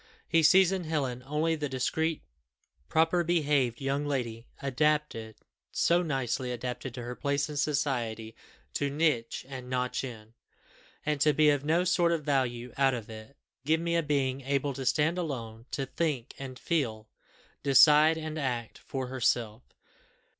He sees in Helen only the discreet proper behaved young lady, adapted, so nicely adapted to her place in society, to nitch and notch in, and to be of no sort of value out of it. Give me a being able to stand alone, to think and feel, decide and act, for herself.